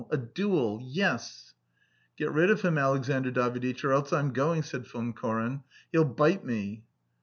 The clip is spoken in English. A duel! Yes!" "Get rid of him, Alexandr Daviditch, or else I'm going," said Von Koren. "He'll bite me."